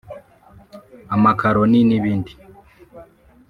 amakaloni n’ibindi”